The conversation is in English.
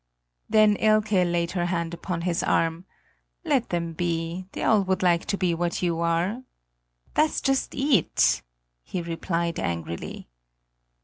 Then Elke laid her hand upon his arm: "Let them be; they all would like to be what you are." "That's just it," he replied angrily.